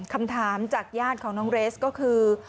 คำถามจากญาติของน้องเรสก็คือ